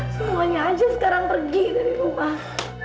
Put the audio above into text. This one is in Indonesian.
semuanya aja sekarang pergi dari rumah